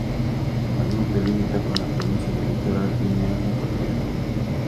Al norte limita con la Provincia de Litoral, Guinea Ecuatorial.